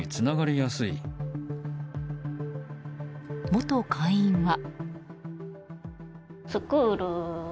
元会員は。